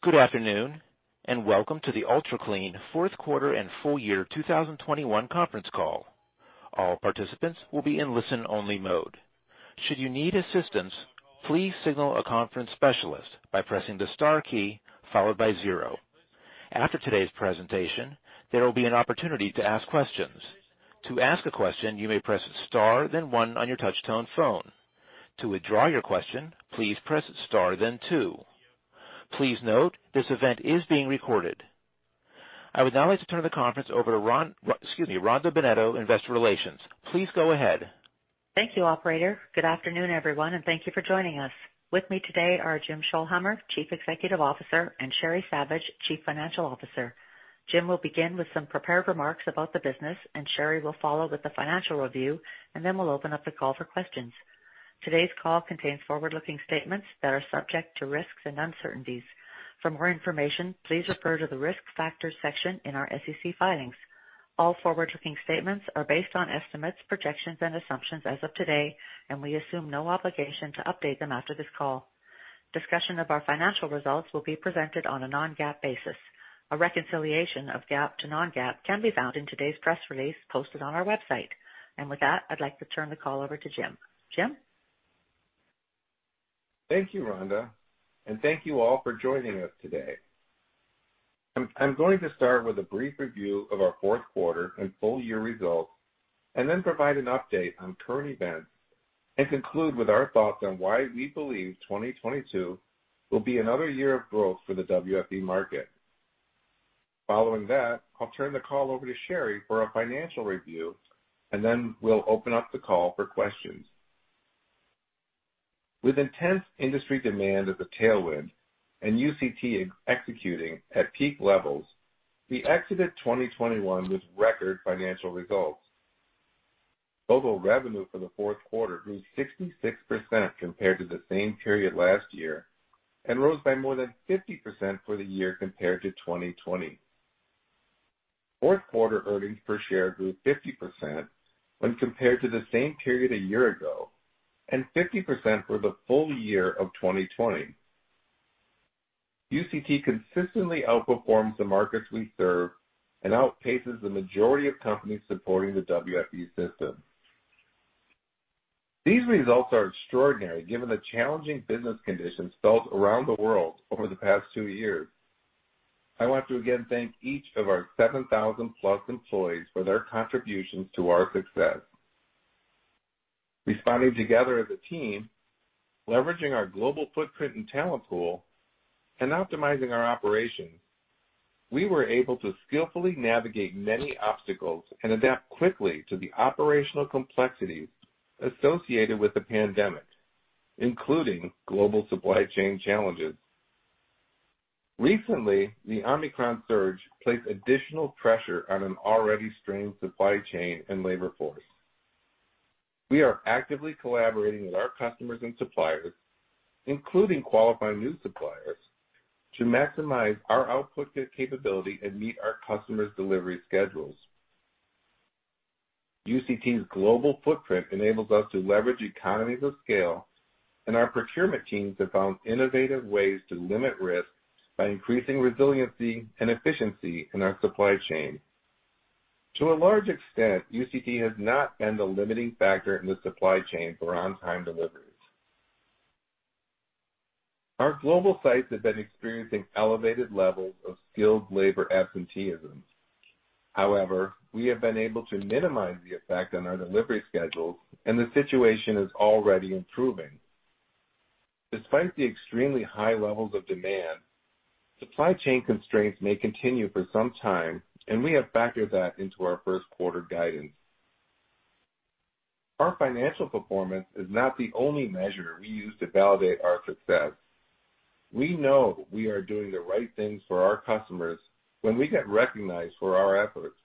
Good afternoon, and welcome to the Ultra Clean fourth quarter and full year 2021 conference call. All participants will be in listen-only mode. Should you need assistance, please signal a conference specialist by pressing the star key followed by zero. After today's presentation, there will be an opportunity to ask questions. To ask a question, you may press star then one on your touch-tone phone. To withdraw your question, please press star then two. Please note, this event is being recorded. I would now like to turn the conference over to Ron, excuse me, Rhonda Bennetto, Investor Relations. Please go ahead. Thank you, operator. Good afternoon, everyone, and thank you for joining us. With me today are Jim Scholhamer, Chief Executive Officer, and Sheri Savage, Chief Financial Officer. Jim will begin with some prepared remarks about the business, and Sheri will follow with the financial review, and then we'll open up the call for questions. Today's call contains forward-looking statements that are subject to risks and uncertainties. For more information, please refer to the Risk Factors section in our SEC filings. All forward-looking statements are based on estimates, projections, and assumptions as of today, and we assume no obligation to update them after this call. Discussion of our financial results will be presented on a non-GAAP basis. A reconciliation of GAAP to non-GAAP can be found in today's press release posted on our website. With that, I'd like to turn the call over to Jim. Jim? Thank you, Rhonda, and thank you all for joining us today. I'm going to start with a brief review of our fourth quarter and full-year results, and then provide an update on current events, and conclude with our thoughts on why we believe 2022 will be another year of growth for the WFE market. Following that, I'll turn the call over to Sheri for our financial review, and then we'll open up the call for questions. With intense industry demand as a tailwind and UCT executing at peak levels, we exited 2021 with record financial results. Global revenue for the fourth quarter grew 66% compared to the same period last year and rose by more than 50% for the year compared to 2020. Fourth quarter earnings per share grew 50% when compared to the same period a year ago, and 50% for the full year of 2020. UCT consistently outperforms the markets we serve and outpaces the majority of companies supporting the WFE system. These results are extraordinary given the challenging business conditions felt around the world over the past 2 years. I want to again thank each of our 7,000+ employees for their contributions to our success. Responding together as a team, leveraging our global footprint and talent pool, and optimizing our operations, we were able to skillfully navigate many obstacles and adapt quickly to the operational complexities associated with the pandemic, including global supply chain challenges. Recently, the Omicron surge placed additional pressure on an already strained supply chain and labor force. We are actively collaborating with our customers and suppliers, including qualifying new suppliers, to maximize our output capability and meet our customers' delivery schedules. UCT's global footprint enables us to leverage economies of scale, and our procurement teams have found innovative ways to limit risk by increasing resiliency and efficiency in our supply chain. To a large extent, UCT has not been the limiting factor in the supply chain for on-time deliveries. Our global sites have been experiencing elevated levels of skilled labor absenteeism. However, we have been able to minimize the effect on our delivery schedules, and the situation is already improving. Despite the extremely high levels of demand, supply chain constraints may continue for some time, and we have factored that into our first quarter guidance. Our financial performance is not the only measure we use to validate our success. We know we are doing the right things for our customers when we get recognized for our efforts.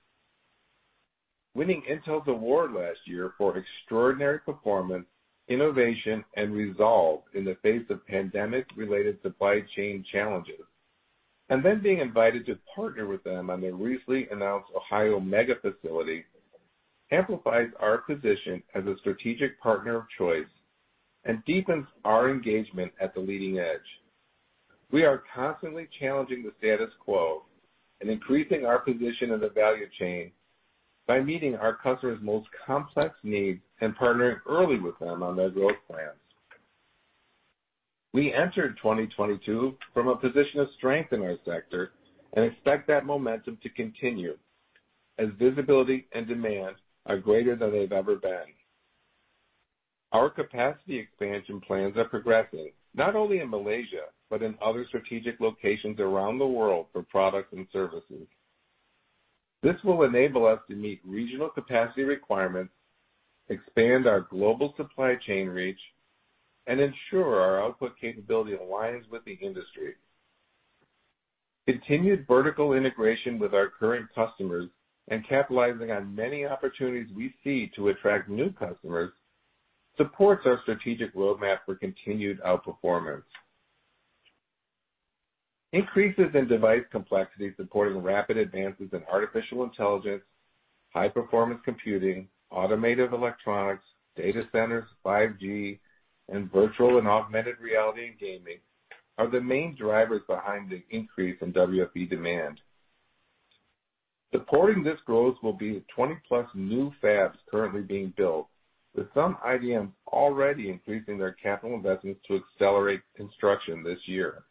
Winning Intel's award last year for extraordinary performance, innovation, and resolve in the face of pandemic-related supply chain challenges, and then being invited to partner with them on their recently announced Ohio mega facility amplifies our position as a strategic partner of choice and deepens our engagement at the leading edge. We are constantly challenging the status quo and increasing our position in the value chain by meeting our customers' most complex needs and partnering early with them on their growth plans. We entered 2022 from a position of strength in our sector and expect that momentum to continue as visibility and demand are greater than they've ever been. Our capacity expansion plans are progressing, not only in Malaysia, but in other strategic locations around the world for Products and Services. This will enable us to meet regional capacity requirements, expand our global supply chain reach, and ensure our output capability aligns with the industry. Continued vertical integration with our current customers and capitalizing on many opportunities we see to attract new customers supports our strategic roadmap for continued outperformance. Increases in device complexity supporting rapid advances in artificial intelligence, high performance computing, automotive electronics, data centers, 5G, and virtual and augmented reality in gaming are the main drivers behind the increase in WFE demand. Supporting this growth will be 20+ new fabs currently being built, with some IDMs already increasing their capital investments to accelerate construction this year.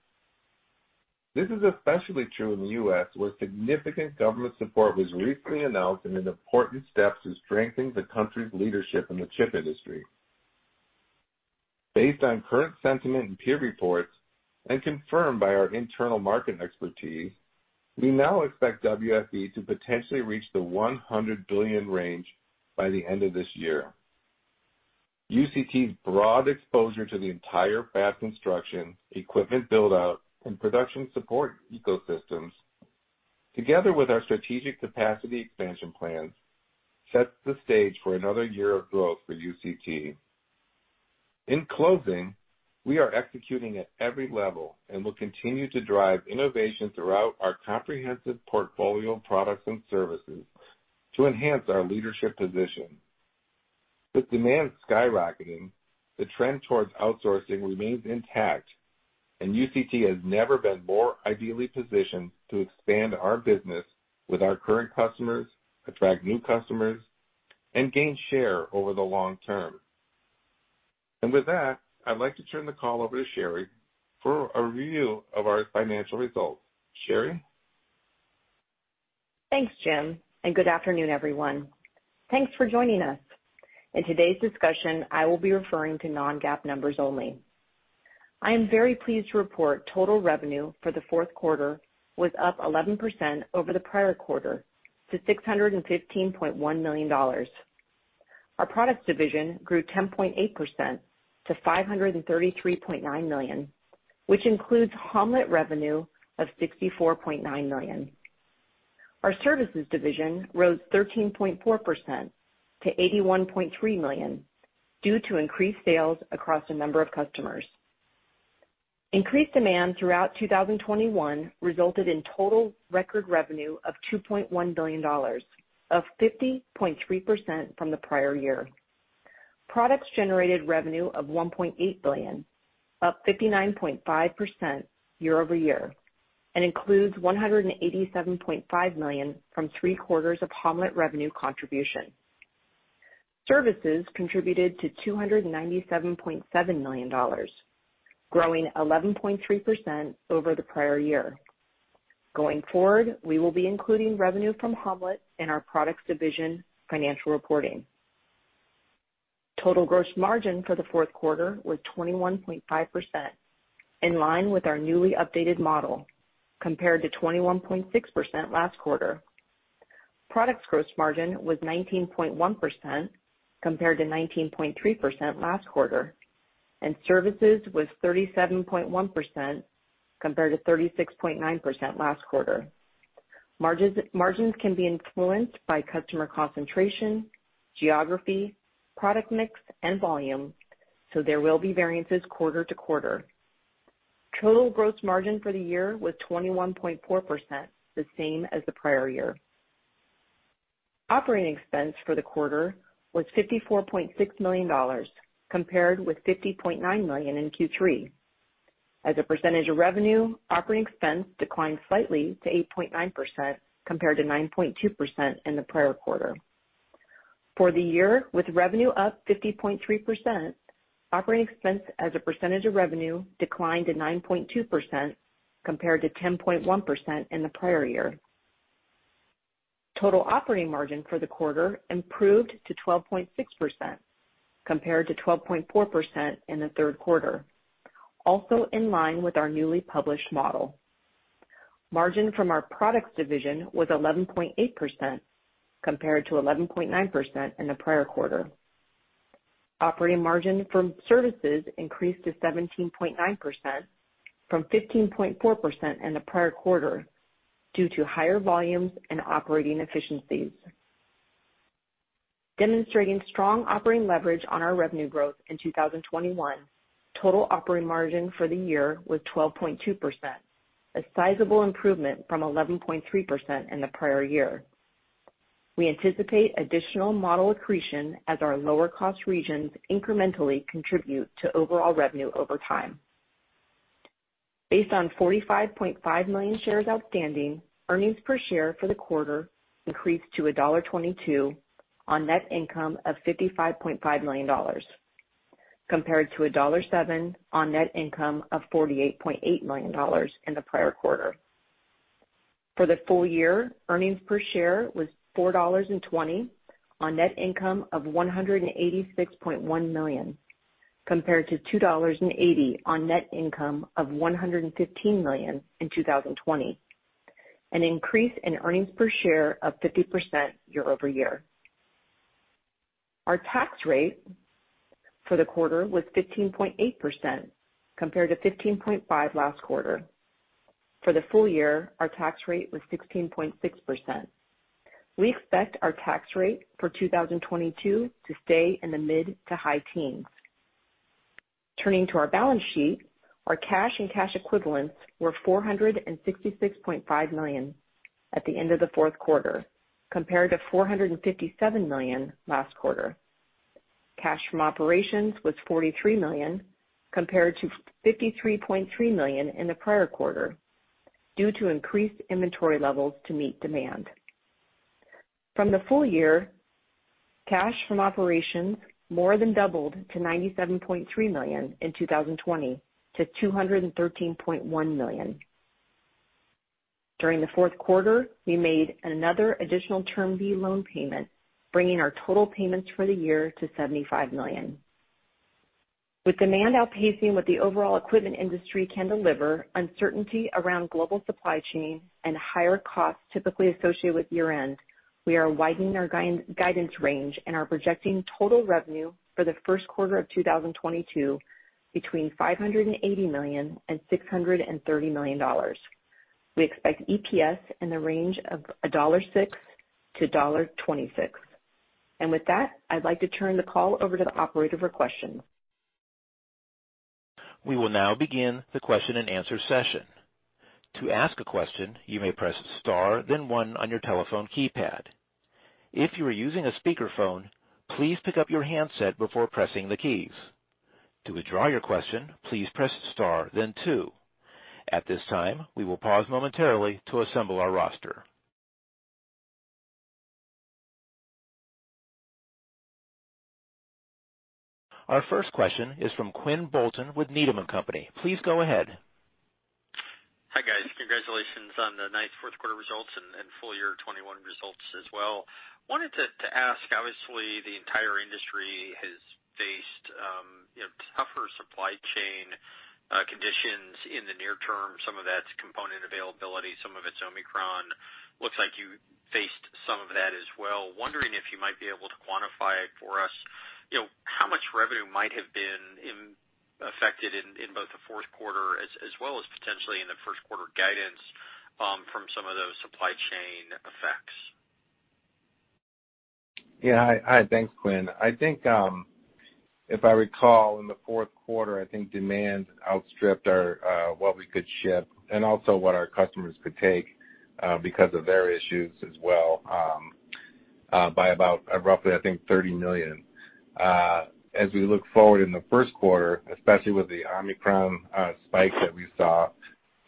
This is especially true in the U.S., where significant government support was recently announced in an important step to strengthen the country's leadership in the chip industry. Based on current sentiment and peer reports, and confirmed by our internal market expertise, we now expect WFE to potentially reach the $100 billion range by the end of this year. UCT's broad exposure to the entire fab construction, equipment build-out, and production support ecosystems, together with our strategic capacity expansion plans, sets the stage for another year of growth for UCT. In closing, we are executing at every level and will continue to drive innovation throughout our comprehensive portfolio of Products and Services to enhance our leadership position. With demand skyrocketing, the trend towards outsourcing remains intact, and UCT has never been more ideally positioned to expand our business with our current customers, attract new customers, and gain share over the long term. With that, I'd like to turn the call over to Sheri for a review of our financial results. Sheri? Thanks, Jim, and good afternoon, everyone. Thanks for joining us. In today's discussion, I will be referring to non-GAAP numbers only. I am very pleased to report total revenue for the fourth quarter was up 11% over the prior quarter to $615.1 million. Our Products division grew 10.8% to $533.9 million, which includes Ham-Let revenue of $64.9 million. Our Services division rose 13.4% to $81.3 million due to increased sales across a number of customers. Increased demand throughout 2021 resulted in total record revenue of $2.1 billion, up 50.3% from the prior year. Products generated revenue of $1.8 billion, up 59.5% year-over-year, and includes $187.5 million from three quarters of Ham-Let revenue contribution. Services contributed $297.7 million, growing 11.3% over the prior year. Going forward, we will be including revenue from Ham-Let in our Products division financial reporting. Total gross margin for the fourth quarter was 21.5%, in line with our newly updated model, compared to 21.6% last quarter. Products gross margin was 19.1%, compared to 19.3% last quarter, and Services was 37.1%, compared to 36.9% last quarter. Margins can be influenced by customer concentration, geography, product mix, and volume, so there will be variances quarter to quarter. Total gross margin for the year was 21.4%, the same as the prior year. Operating expense for the quarter was $54.6 million, compared with $50.9 million in Q3. As a percentage of revenue, operating expense declined slightly to 8.9%, compared to 9.2% in the prior quarter. For the year, with revenue up 50.3%, operating expense as a percentage of revenue declined to 9.2%, compared to 10.1% in the prior year. Total operating margin for the quarter improved to 12.6%, compared to 12.4% in the third quarter, also in line with our newly published model. Margin from our Products division was 11.8%, compared to 11.9% in the prior quarter. Operating margin from Services increased to 17.9% from 15.4% in the prior quarter due to higher volumes and operating efficiencies. Demonstrating strong operating leverage on our revenue growth in 2021, total operating margin for the year was 12.2%, a sizable improvement from 11.3% in the prior year. We anticipate additional margin accretion as our lower cost regions incrementally contribute to overall revenue over time. Based on 45.5 million shares outstanding, earnings per share for the quarter increased to $1.22 on net income of $55.5 million, compared to $1.07 on net income of $48.8 million in the prior quarter. For the full year, earnings per share was $4.20 on net income of $186.1 million, compared to $2.80 on net income of $115 million in 2020, an increase in earnings per share of 50% year-over-year. Our tax rate for the quarter was 15.8%, compared to 15.5% last quarter. For the full year, our tax rate was 16.6%. We expect our tax rate for 2022 to stay in the mid- to high teens. Turning to our balance sheet, our cash and cash equivalents were $466.5 million at the end of the fourth quarter, compared to $457 million last quarter. Cash from operations was $43 million compared to $53.3 million in the prior quarter due to increased inventory levels to meet demand. From the full year, cash from operations more than doubled from $97.3 million in 2020 to $213.1 million. During the fourth quarter, we made another additional Term B loan payment, bringing our total payments for the year to $75 million. With demand outpacing what the overall equipment industry can deliver, uncertainty around global supply chain and higher costs typically associated with year-end, we are widening our guidance range and are projecting total revenue for the first quarter of 2022 between $580 million and $630 million. We expect EPS in the range of $1.06-$1.26. With that, I'd like to turn the call over to the operator for questions. We will now begin the question-and-answer session. To ask a question, you may press star then one on your telephone keypad. If you are using a speakerphone, please pick up your handset before pressing the keys. To withdraw your question, please press star then two. At this time, we will pause momentarily to assemble our roster. Our first question is from Quinn Bolton with Needham & Company. Please go ahead. Hi, guys. Congratulations on the nice fourth quarter results and full year 2021 results as well. Wanted to ask, obviously the entire industry has faced, you know, tougher supply chain conditions in the near term. Some of that's component availability, some of it's Omicron. Looks like you faced some of that as well. Wondering if you might be able to quantify for us, you know, how much revenue might have been impacted in both the fourth quarter as well as potentially in the first quarter guidance from some of those supply chain effects. Yeah. Hi. Thanks, Quinn. I think if I recall, in the fourth quarter, I think demand outstripped our what we could ship and also what our customers could take because of their issues as well by about roughly $30 million. As we look forward in the first quarter, especially with the Omicron spike that we saw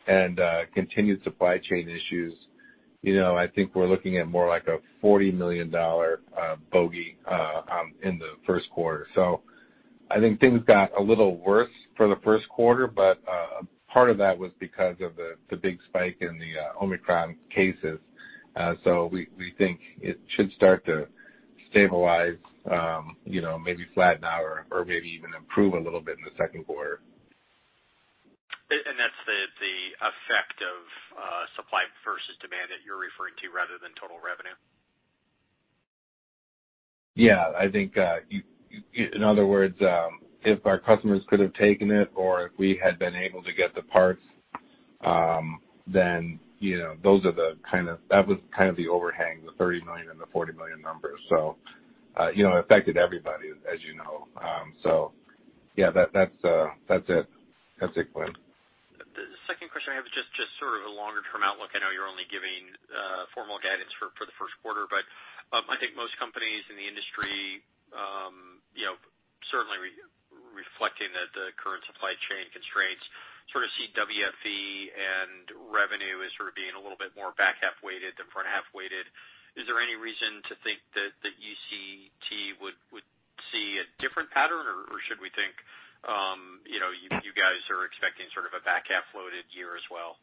and continued supply chain issues, you know, I think we're looking at more like a $40 million bogey in the first quarter. I think things got a little worse for the first quarter, but part of that was because of the big spike in the Omicron cases. We think it should start to stabilize, you know, maybe flatten out or maybe even improve a little bit in the second quarter. That's the effect of supply versus demand that you're referring to rather than total revenue? Yeah. I think, in other words, if our customers could have taken it or if we had been able to get the parts, then, you know, that was kind of the overhang, the $30 million and the $40 million numbers. You know, it affected everybody, as you know. Yeah, that's it. That's it, Quinn. The second question I have is just sort of a longer term outlook. I know you're only giving formal guidance for the first quarter, but I think most companies in the industry, you know, certainly reflecting the current supply chain constraints sort of see WFE and revenue as sort of being a little bit more back half weighted than front half weighted. Is there any reason to think that UCT would see a different pattern? Or should we think, you know, you guys are expecting sort of a back half loaded year as well?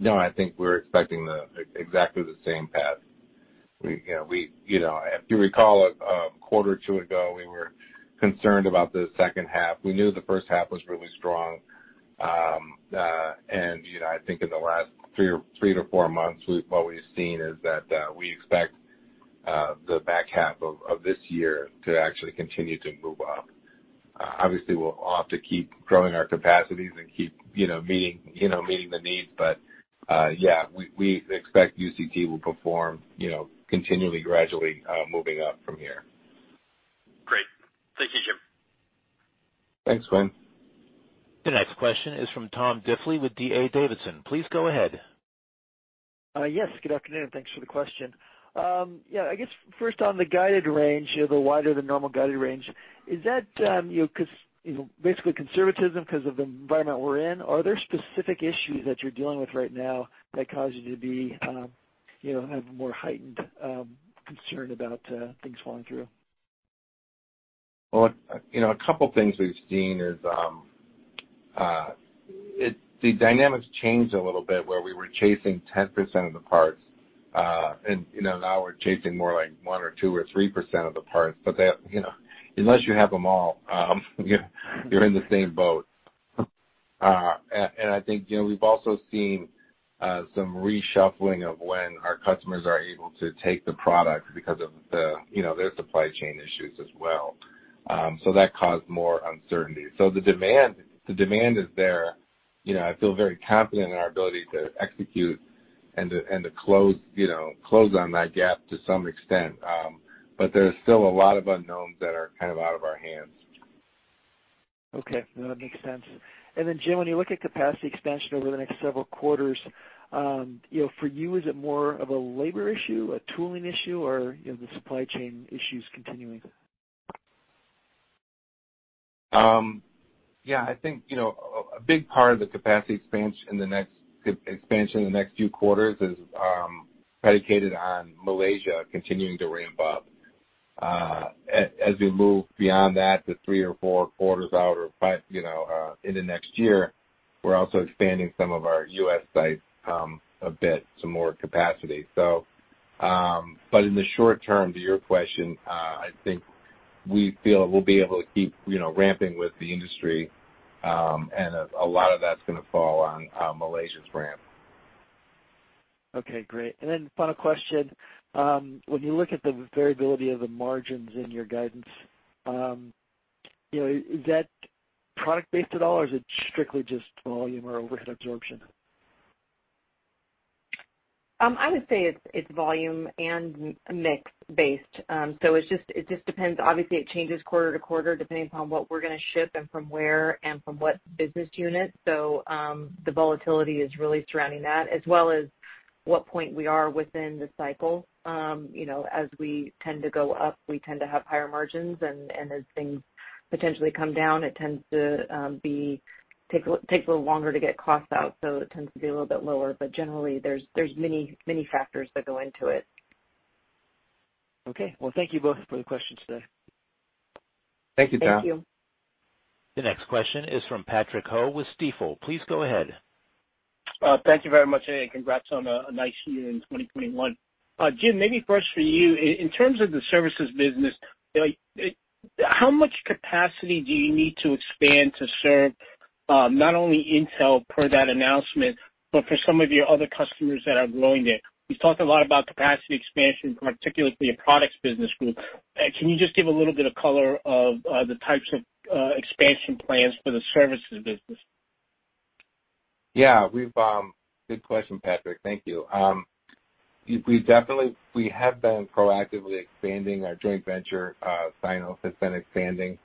No, I think we're expecting exactly the same path. If you recall, a quarter or two ago, we were concerned about the second half. We knew the first half was really strong. I think in the last three to four months, what we've seen is that we expect the back half of this year to actually continue to move up. Obviously, we'll have to keep growing our capacities and keep meeting the needs. Yeah, we expect UCT will perform, you know, continually, gradually moving up from here. Great. Thank you, Jim. Thanks, Quinn. The next question is from Tom Diffely with D.A. Davidson. Please go ahead. Yes, good afternoon, and thanks for the question. Yeah, I guess first on the guided range, you know, the wider than normal guided range, is that, you know, basically conservatism 'cause of the environment we're in? Are there specific issues that you're dealing with right now that cause you to be, you know, have more heightened concern about things falling through? Well, you know, a couple things we've seen is the dynamics changed a little bit where we were chasing 10% of the parts, and you know, now we're chasing more like 1% or 2% or 3% of the parts. They have, you know, unless you have them all, you're in the same boat. I think, you know, we've also seen some reshuffling of when our customers are able to take the product because of the, you know, their supply chain issues as well. That caused more uncertainty. The demand is there. You know, I feel very confident in our ability to execute and to close, you know, close on that gap to some extent. There's still a lot of unknowns that are kind of out of our hands. Okay. No, that makes sense. Jim, when you look at capacity expansion over the next several quarters, you know, for you, is it more of a labor issue, a tooling issue, or, you know, the supply chain issues continuing? Yeah, I think, you know, a big part of the capacity expansion in the next few quarters is predicated on Malaysia continuing to ramp up. As we move beyond that to three or four quarters out or five, you know, in the next year, we're also expanding some of our U.S. sites a bit to more capacity. In the short term, to your question, I think we feel we'll be able to keep, you know, ramping with the industry, and a lot of that's gonna fall on Malaysia's ramp. Okay, great. Final question. When you look at the variability of the margins in your guidance, you know, is that product-based at all, or is it strictly just volume or overhead absorption? I would say it's volume and mix based. It just depends. Obviously, it changes quarter to quarter, depending upon what we're gonna ship and from where and from what business unit. The volatility is really surrounding that as well as what point we are within the cycle. You know, as we tend to go up, we tend to have higher margins, and as things potentially come down, it tends to take a little longer to get costs out, so it tends to be a little bit lower. Generally, there's many factors that go into it. Okay. Well, thank you both for the questions today. Thank you, Tom. Thank you. The next question is from Patrick Ho with Stifel. Please go ahead. Thank you very much, and congrats on a nice year in 2021. Jim, maybe first for you. In terms of the Services business, you know, how much capacity do you need to expand to serve not only Intel per that announcement, but for some of your other customers that are growing there? You've talked a lot about capacity expansion, particularly for your Products business group. Can you just give a little bit of color on the types of expansion plans for the Services business? Yeah. Good question, Patrick. Thank you. We definitely have been proactively expanding our joint venture. Cinos has been expanding.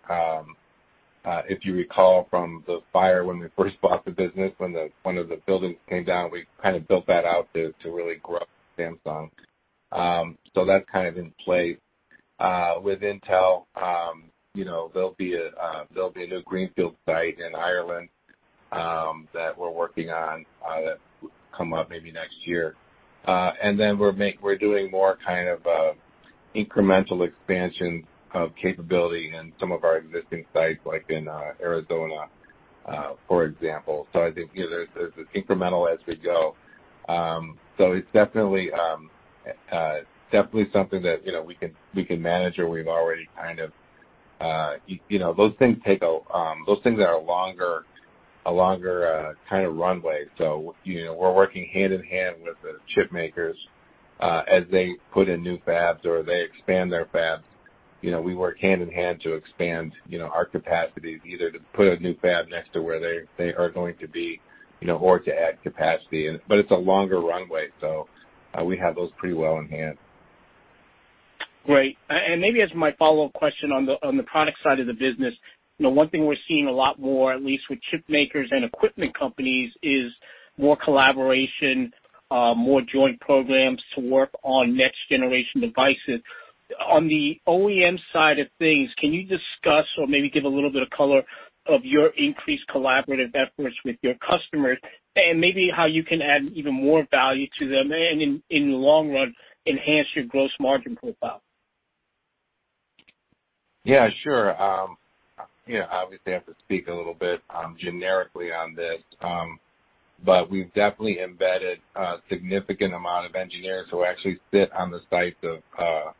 If you recall from the fire when we first bought the business, when one of the buildings came down, we kind of built that out to really grow Samsung. That's kind of in play. With Intel, you know, there'll be a new greenfield site in Ireland that we're working on that will come up maybe next year. Then we're doing more kind of incremental expansion of capability in some of our existing sites, like in Arizona, for example. I think, you know, there's incremental as we go. It's definitely something that, you know, we can manage or we've already kind of, you know, those things are a longer kind of runway. You know, we're working hand in hand with the chip makers as they put in new fabs or they expand their fabs. You know, we work hand in hand to expand, you know, our capacity either to put a new fab next to where they are going to be, you know, or to add capacity. It's a longer runway, so we have those pretty well in hand. Great. Maybe as my follow-up question on the product side of the business, you know, one thing we're seeing a lot more, at least with chip makers and equipment companies, is more collaboration, more joint programs to work on next generation devices. On the OEM side of things, can you discuss or maybe give a little bit of color on your increased collaborative efforts with your customers and maybe how you can add even more value to them and in the long run, enhance your gross margin profile? Yeah, sure. You know, obviously I have to speak a little bit generically on this. We've definitely embedded a significant amount of engineers who actually sit on the sites of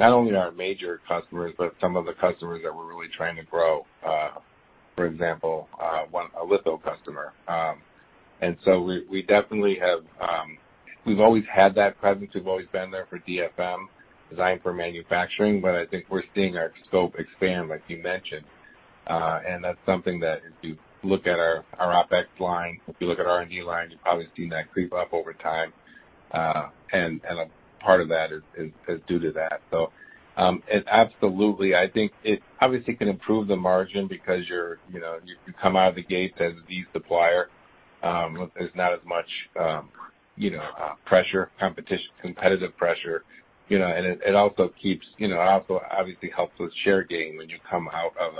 not only our major customers, but some of the customers that we're really trying to grow. For example, one litho customer. We definitely have. We've always had that presence. We've always been there for DFM, design for manufacturing, but I think we're seeing our scope expand, like you mentioned. That's something that if you look at our OpEx line, if you look at our R&D line, you've probably seen that creep up over time. A part of that is due to that. It's absolutely, I think it obviously can improve the margin because you're, you know, you come out of the gate as the supplier. There's not as much, you know, competitive pressure, you know. It also obviously helps with share gain when you come out of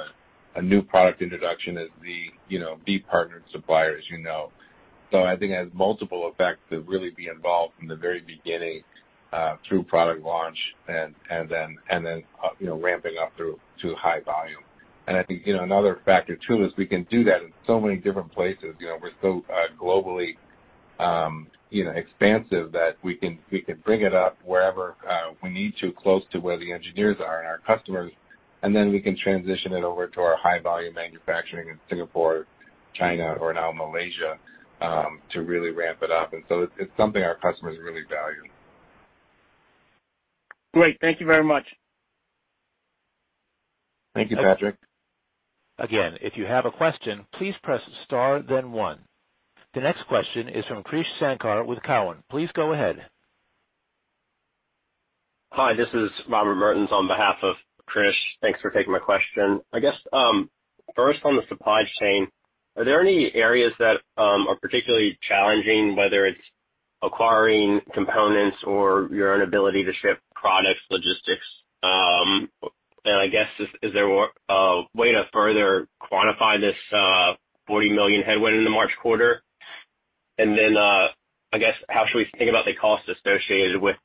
a new product introduction as the, you know, be partnered suppliers, you know. I think it has multiple effects to really be involved from the very beginning through product launch and then, you know, ramping up through to high volume. I think, you know, another factor too is we can do that in so many different places. You know, we're so globally, you know, expansive that we can bring it up wherever we need to close to where the engineers are and our customers, and then we can transition it over to our high volume manufacturing in Singapore, China, or now Malaysia to really ramp it up. It's something our customers really value. Great. Thank you very much. Thank you, Patrick. Again, if you have a question, please press star then one. The next question is from Krish Sankar with Cowen. Please go ahead. Hi, this is Robert Mertens on behalf of Krish. Thanks for taking my question. I guess first on the supply chain, are there any areas that are particularly challenging, whether it's acquiring components or your inability to ship products, logistics? And I guess is there a way to further quantify this $40 million headwind in the March quarter? And then I guess how should we think about the costs associated with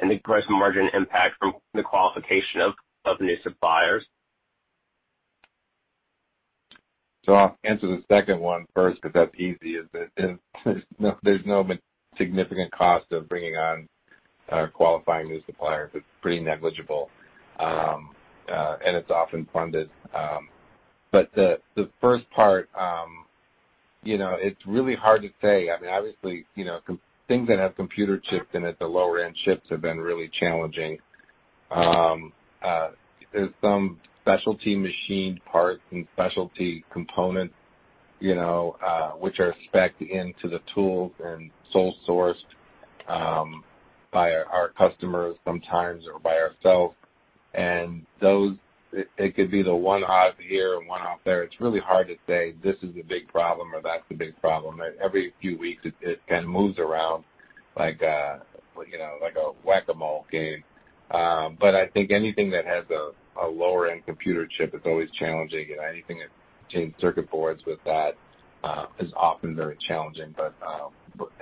and the gross margin impact from the qualification of new suppliers? I'll answer the second one first, 'cause that's easy. It's that there's no significant cost of bringing on or qualifying new suppliers. It's pretty negligible. And it's often funded. But the first part, you know, it's really hard to say. I mean, obviously, you know, things that have computer chips in it, the lower end chips have been really challenging. There's some specialty machined parts and specialty components, you know, which are specced into the tools and sole sourced by our customers sometimes or by ourselves. Those, it could be the one off here and one off there. It's really hard to say this is a big problem or that's a big problem. Every few weeks it kind of moves around like, you know, like a whack-a-mole game. I think anything that has a lower end computer chip is always challenging. Anything that contains circuit boards with that is often very challenging.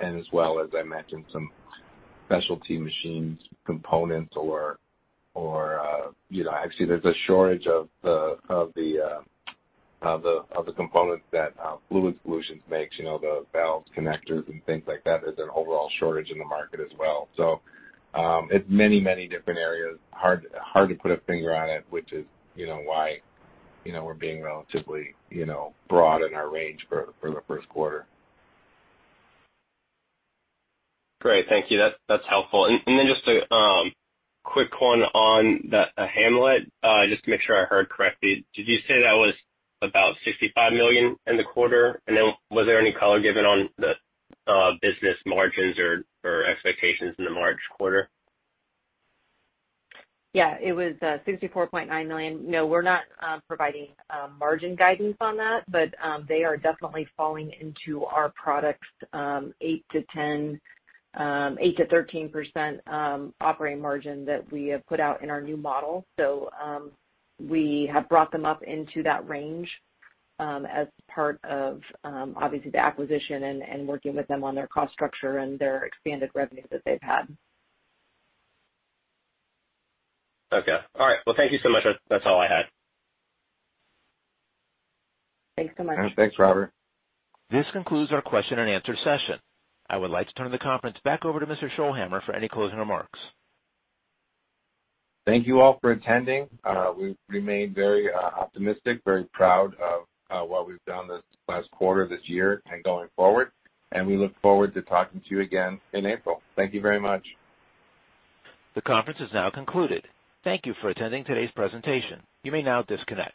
As well as I mentioned, some specialty machines, components or you know, actually there's a shortage of the components that Fluid Solutions makes. You know, the valves, connectors and things like that. There's an overall shortage in the market as well. It's many different areas. Hard to put a finger on it, which is you know why you know we're being relatively you know broad in our range for the first quarter. Great. Thank you. That's helpful. Just a quick one on the Ham-Let. Just to make sure I heard correctly, did you say that was about $65 million in the quarter? Was there any color given on the business margins or expectations in the March quarter? Yeah, it was $64.9 million. No, we're not providing margin guidance on that, but they are definitely falling into our Products 8%-13% operating margin that we have put out in our new model. We have brought them up into that range as part of obviously the acquisition and working with them on their cost structure and their expanded revenue that they've had. Okay. All right. Well, thank you so much. That, that's all I had. Thanks so much. Yeah, thanks, Robert. This concludes our question and answer session. I would like to turn the conference back over to Mr. Scholhamer for any closing remarks. Thank you all for attending. We remain very optimistic, very proud of what we've done this last quarter, this year and going forward. We look forward to talking to you again in April. Thank you very much. The conference is now concluded. Thank you for attending today's presentation. You may now disconnect.